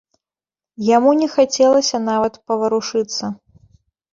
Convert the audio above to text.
Яму не хацелася нават паварушыцца.